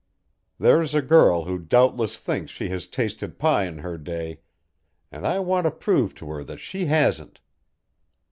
There's a girl who doubtless thinks she has tasted pie in her day, and I want to prove to her that she hasn't."